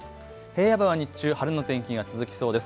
平野部は日中晴れの天気が続きそうです。